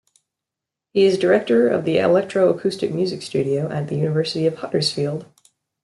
He is Director of the Electroacoustic Music Studio at the University of Huddersfield.